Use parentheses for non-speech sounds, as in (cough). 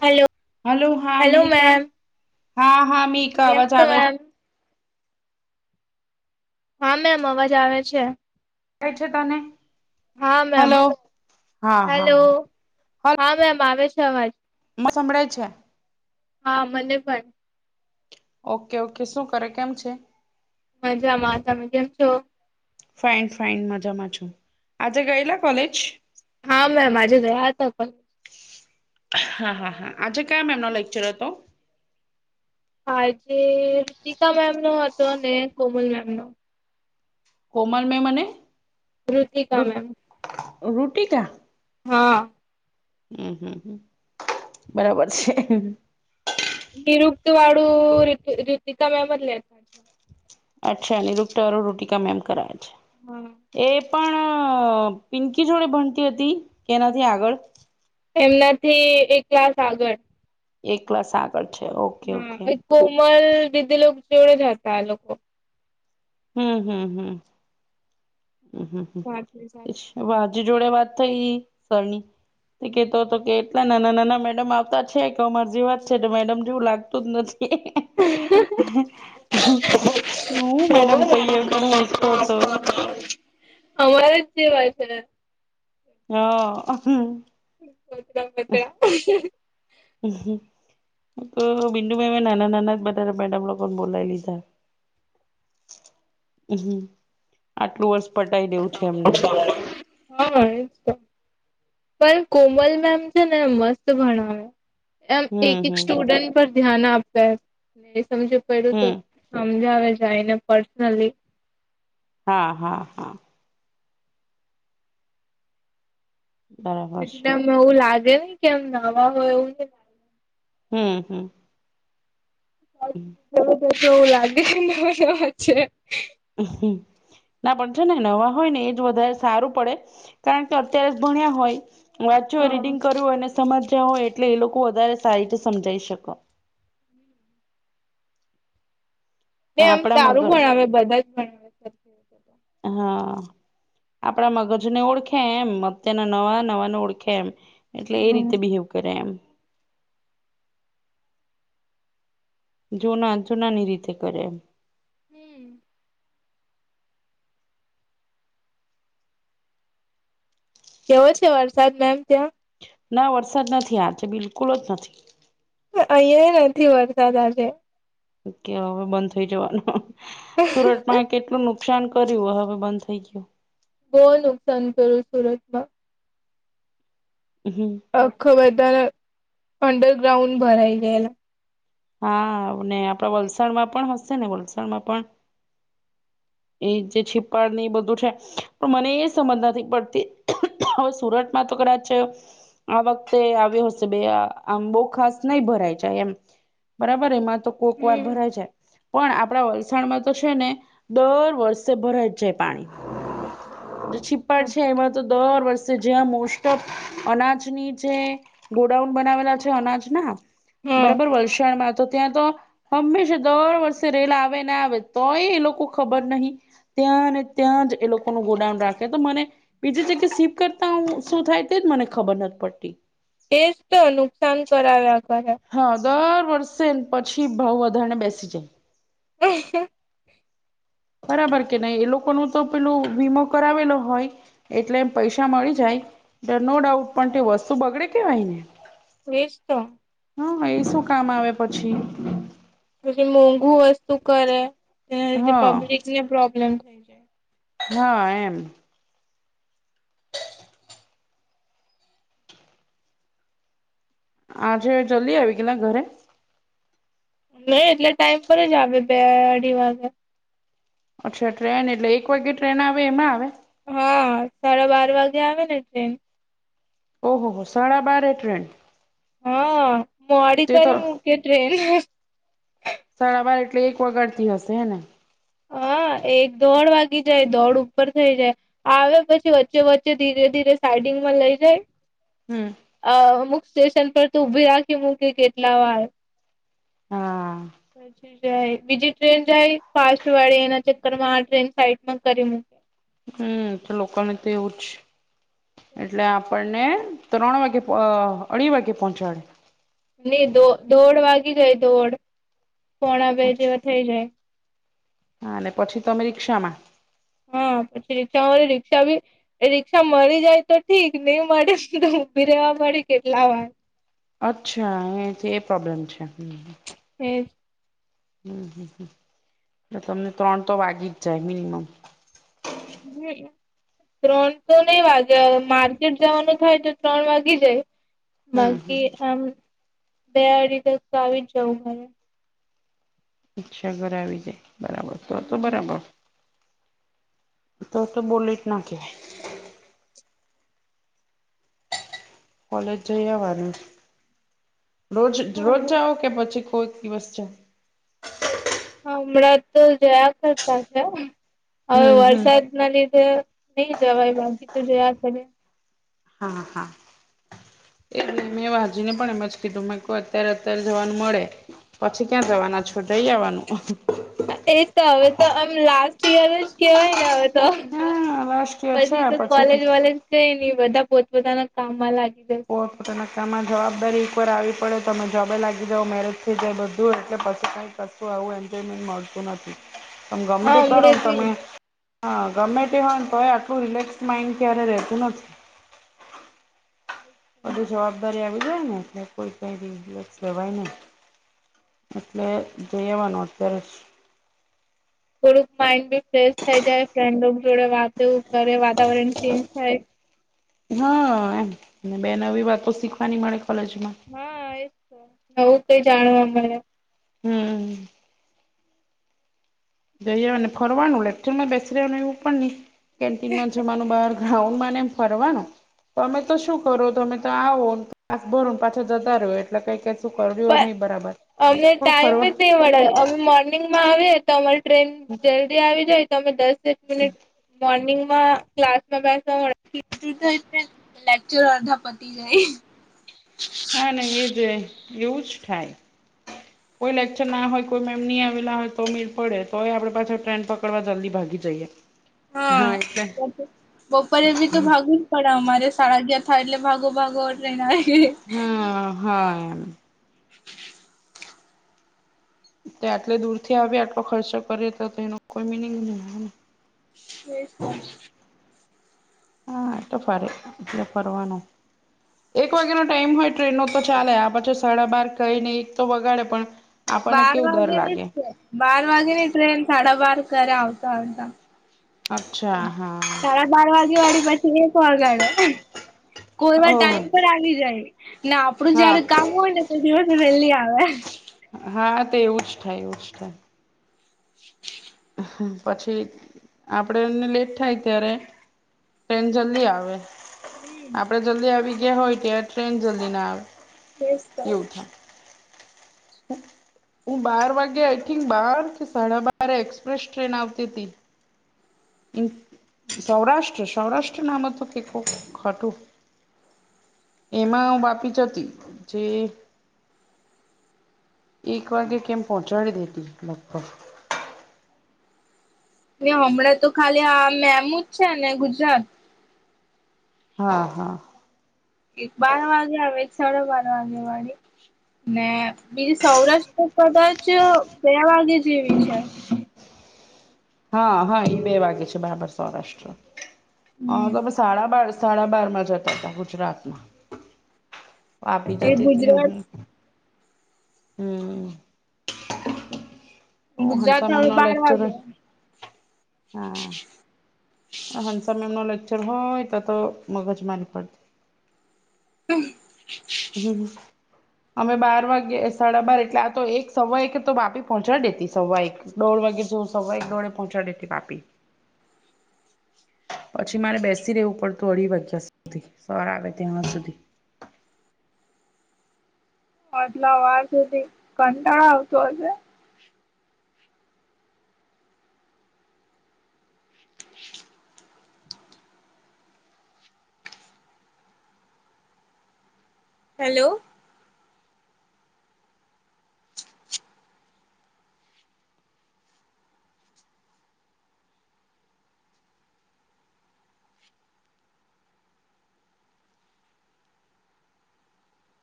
Hello. Hello હા (unintelligible) હા, હા મિક કેમ છો એમ? હા મેમ અવાજ આવે છે. કાંઈ છે તને. હા મેમ. હલો હા હા હલો? હા હા મેમ આવે છે અવાજ. (inaudible) સંભળાય છે. હા મને પણ. ઓકે-ઓકે. શું કરે? કેમ છે? મજામાં. તમે કેમ છો? ફાઈન-ફાઈન, મજામાં છું. આજે ગયેલા કોલેજ? હા મેમ આજે ગયા તા કોલ હા, હા, હા. આજે કયાં મેમ નો લેક્ચર હતો? આજે (unintelligible) મેમ નો હતો ને કોમલ મેમ નો. કોમલ મેમ અને? રુતિકા મેમ. રુટિકા? હા. હમ્મ-હમ્મ-હમ્મ, બરાબર છે. તિરુક્તવાળું રિત રિતીકામેમ જ લે. (inaudible) અચ્છા. અને (unintelligible) રુતિકામેમ કરાવે છે. હમ્મ. એ પણ પિંકી જોડે ભણતી હતી? કે એનાથી આગળ? એમનાથી એક ક્લાસ આગળ. એક ક્લાસ આગળ છે. ઓકે-ઓકે. હા કોમલ, વિધી લોક જોડે જ હતા આ લોકો. સાથે સાથે હમ્મ-હમ્મ-હમ્મ-હમ્મ-હમ્મ-હમ્મ. (unintelligible) (unintelligible) જોડે વાત થઈ સરની. ઈ કહેતો હતો કે એટલા નાના-નાના મેડમ આવતા છે, કે અમાર જેવાં જ છે, તો મેડમ જેવું લાગતું જ નથી. હું મેડમ કહીએ, એમ કરીને હસતો હતો. અમારે જ જેવા છે. હા. (unintelligible) (inaudible) તો બિંદુભાઈ મેં નાના નાના જ બધા મેડમ લોકોને બોલાય લીધા. હ આટલું વર્ષ પટાઈ દેવું છે એમને હા એ પણ કોમલ મેમ છેને, મસ્ત ભણાવ્યો. એમ એક હમ એક હમ સ્ટુડન્ટ પર ધ્યાન આપે. સમજ પડ્યું તો હમ સમજાવે છે એને પર્સનલી હા હા હા બરાબર એટલે છે. આમ એવું લાગે નહી કે એમ નવા હોય, એવુ હમ્મ હમ્મ (inaudible) ચ તો તો એવું લાગે તમા વાત છે. હ હમ્મ ના પણ છે ને નવા હોય ને એ જ વધારે સારું પડે. કારણ કે અત્યારે જ ભણ્યા હોય. વાંચ્યું હોય. હા રીડિંગ કર્યું હોય. અને સમજ્યા હોય. એટલે એ લોકો વધારે સારી રીતે સમજાવી શકે ને આમ આપણા સારું મગજ ભણાવે બધા જ ભણ હા આપણા મગજને ઓળખે એમ. અત્યારના નવા નવાને ઓળખે એમ એટલે એ હમ. રીતે બિહેવ કરે એમ જુના જૂનાની રીતે કરે હમ્મ કેવો છે વરસાદ મેમ ત્યા ના વરસાદ નથી આજ. બિલકુલ જ નથી. અહિયાં નથી વરસાદ આજે ઓ હવે બંધ થઈ જવાનું. સુરતમાં કેટલું નુ નુકસાન કર્યું. હવે બંધ થઈ ગયુ. બહુ નુકસાન કરું સુરતમા હા અખા બધાને અંડરગ્રાઉન્ડ ભરાઈ ગયેલા. હાને આપડા વલસાડમાં પણ હશે ને વલસાડમાં પણ. (inaudible) એ જે છીપાડ ની બધુ છે. પણ મને એ સમજ નથી પડતી હવે સુરતમાં તો કદાચ છે. આ વખતે આવ્યો હશે આ બો ખાસ નહી ભરાય છેાય એમ બરાબર. એમાં તો કોક વાર હમ ભરાય છે. પણ આપણા વલસાડમાં તો છે ને, દર વર્ષે ભરાઈ જાય પાણી છીપ્પળ છે, એમા તો દર વર્ષે જ્યાં મોસ્ટ ઓફ અનાજની જે ગોડાઉન બનાવેલા છે અનાજ ના હમ બરાબર વલસાડમાં તો ત્યાં તો હંમેશા દર વર્ષે રેલા આવે ના આવે તોય એ લોકો ખબર નહી. ત્યાંને ત્યાં જ એ લોકોનું ગોડાઉન રાખે તો મને બીજી જગ્યા સીપ કરતા શું થાય તેજ મને ખબર નથી પડતી. એ જ તો નુકસાન કરાવ્યા કર્યા હા દર વર્ષે પછી ભાવ વધારેને બેસી જાય. હ બરાબર કે નહી એ લોકો ન તો પેલું વીમો કરાવેલો હોય. એટલે એમ પૈસા મળી જાય, તો નો ડાઉટ પણ તે વસ્તુ બગડે કેવાય ને એજ તો હા એ શું કામ આવે પછી. પછી મોંઘુ વસ્તુ કરે એના લીધે હા પબ્લિક ને પ્રોબ્લેમ થાય. હા એમ આજે જલ્દી આવી ગયેલા ઘરે નહી એટલે ટાઈમ પર જ આવે બે અઢી વાગે. અચ્છા ટ્રેન એટલે એક વાગ્યે ટ્રેન આવે એમાં આવે હા સાડા બાર વાગે આવે ને ટ્રેન ઓહો હો સાડા બાર ટ્રેન હા મોડી તે તો કરી મૂકે ટ્રેન સાડા બાર એટલે એક વગાડતી હશે હે ને હા એક દોડ વાગી જાય દોડ ઉપર થઇ જાય. આવે પછી વચ્ચે વચ્ચે ધીરે ધીરે સાઈડિંગમાં લઈ જાય. હમ અ અમુક સ્ટેશન પર તો ઉભી રાખી મું કે કેટલા વાર હા પછી જાય બીજી ટ્રેન જાય ફાસ્ટ વાળી એના ચક્કર માં આ ટ્રેન સાઈટમાં કરી હમ એ તો લોકોને તો એવું છે. મૂકે એટલે આપણને ત્રણ વાગે અઢી વાગે પહોંચાડે નહી દો દોડ વાગી જાય દોડ પોણા બે જેવા અચ્છા થઇ જાય. હા અને પછી તમે રિકષામા હા પછી રિક્ષા વાળ રિક્ષા ભી એ રિકષા મળી જાય તો ઠીક નહી, મળે તો ઊભી રહેવા મળે કેટલા વાર અચ્છા એ એ પ્રોબ્લેમ છે, હ હમ્મ હમ હમ એટલે તમને ત્રણ તો વાગી જ જાય મિનિમમ હમ ત્રણ તો નહી વાગે માર્ચ ટ જવાનું થાય તો ત્રણ વાગી જાય હમ હમ બાકી આમ બે અઢી તસ તો આવી જ જવું મારે અચ્છા ઘર આવી જાય બરાબર તો તો હમ બરાબર તો તો બોલીટ ના કે કોલેજ જઈ આવવાનું રોજ રોજ હા જાઓ કે પછી કોઈ દિવસ છે. હમણાં તો જયા કરતા છે હવે હમ હમ. વરસાદ ના લીધે નહી જવાય બાકી તો જોયા છે. હા હા એ મેં વાજીને પણ એમ જ કીધુ મેં કો અત્યારે અત્યારે જવાનું મળે પછી ક્યાં જવાના છૂટઈ જવાનુ એ તો હવે તો આમ લાસ્ટ યયર જ કેહેવાય ને હવે તો હા લાસ્ટ યર છે પછી તો કોલેજ પછી વલેજ કઈ નહી બધા પોતપોતાના કામમાં લાગી જશે. પોતાના કામમાં જવાબદારી એકવાર આવી પડે તમે જોબે લાગી જાવ મેરેજ થઈ જાય બધું એટલે પછ કશું આવું એન્જોયમેન્ટ મળતું નથી ત હા ગમડી હમડે કરોને બી તમે હા ગમે તે હોય તો એ આટલું રિલેક્સ માઈન્ડ ક્યારે રહેતું નથી. બધી જવાબદારી આવી જાય ને એટલે કોઈ કઈ ર લેવાય નને એટલે જઈ આવવાનું અત્યારે જ થોડુંક માઇન્ડ બી ફ્રેશ થઈ જાય ફ્રેન્ડ જોડે વાતો કરે વાતાવરણ ચેન્જ થાય. હા એમ બે નવી વાતો શીખવાની મળે કોલેજ મા હા એજ તો, નવું કઈ જાણવા મળે. હમ. જઈયા મને ફરવાર્ડ લલેટ બેેશું પડ ન. કેન્ટીનમાં જવાનું બહાર ગ્રાઉન્ડ માં ને એમ ફરવાનું, તો અમે તો શું કરો તમે તો આવો ભ પાછા જતા રહો એટલે કઈ શું કર્યું પણ નહી બરાબર. અમને થોડું ટાઈમ જ ફરવા નહી મળે અમે મોર્નિ માં આવે તો અમારે ટ્રેન જલ્દી આવી જાય તો અમે દસ મિનિટ. મોર્નિંગમાં ક્લાસ માં બેસવા થ લેક્ચર અધા પતી ગઈ જાય. અને અને એ જે એવું જ થાય. હ (inaudible) કોઈ લેક્ચર ના હોય કોઈ મેમ નહી આવેલા હોય તોમીર પડે તો આપડ પાછ ટ્રેન પકડવા જલ્દી ભાગી જઈએ. હા, બપ બપોરે બી તો ભાગ પણ અમારે શાળા ગયા થાય એટલે ભાગો ભાગો રહેના. હમ હ. (inaudible) તે આટલે દૂર થી આવી આટલો ખર્ચો કરીએ તો તો એનો કોઈ મિનિંગ નહી. એ (unintelligible) હા એટ ફ એટલે પરવાનું. એક વાગ્યાનોો ટાઈમ હોય ટ્રેનનોો તો ચાલે આ પછી સાડા બાર કઈ નને એક તો વગાડે પણ આપણને બાર કેવું ડર વાગે ની લાગે બાર વાગે ની ટ્રેન સાડા બાર કર આવતા આવતા. અચ્છા હા સાડા બાર વાગે વાળી પછી એકગાડે. કોઈવા ઓહ ટાઈમ પર આવી જાય, ને આપડું હા જયારે કામ હોય ને. દિવસ વહેલી આવે. હા તો એવું જ થાય એવું જ થાય. હ (inaudible) પછી, આપડે એને લેટ થાય ત્યારે ટ્રેન જલ્દી આવે. આપડે જલ્દી આવી ગયા હોય ત્યા ટ્રેન જલ્દી ના આવે. એસ તો એવું થાય હું બાર વાગે આઈ થિંક બાર કે સાડા બાર એક્સપ્રેસ ટ્રેન આવતી હતી. સૌરાષ્ટ્ર સૌરાષ્ટ્ર નામ તો કે ખ ખટું. એમાં બાપી જ હતી જે એક વાગે કેમ પહોચાડી દેતી લગભગ. હમણાં તો ખાલી આ મેમજ છે ને ગુજરાત. હા હા. એક બાર વાગે આવે એક સાડા બાર વાગે વાળી. ને બીજું સૌરાષ્ટ્ર કદાચ બે વાગે જેવી છે. હા હા એ બે વાગે છે બરાબર સૌરાષ્ટ્ર. હમ હા તોમે સાડા બાર સાડા બાર માં જતા હતા ગુજરાતમાં. વાપી એ જતી હતીને, ગુજરાત હમ. તો ગુજરાત હંસા મેમ હવે નો બાર લેક્ચર વાગ્યા. હા, હનસમેમ ન લેક્ચર હોય તો તો મગજ મારી પડતી. હમ. હમ. અમે બાર વાગે સાડા બાર એટલે આ તો એક સવા એક તો બાપી પહોંચાડી દેતી સવા એક. દોળ વાગે સુ સવાઈ એક દોળે પહોંચાડીે હતી બાપી. (inaudible) પછી મારે બેસી રહેેવું પડતું અઢી વાગ્યા સુધી સર આવે ત્યા સુધી. અટલો વાર સુધી કંટાળ આવતું હશે. હેલો.